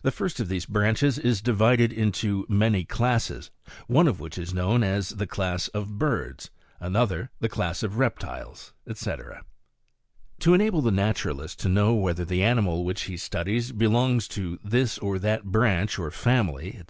the first of these branches is divided into many classes, one of which is known as the class of birds, another as the class of reptiles, &j"c. 10. To enable the naturalist to know whether the animal which he studies, belongs to this or that branch or family, &c.